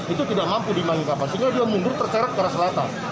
itu tidak mampu dimani kapal sehingga dia mundur terseret ke arah selatan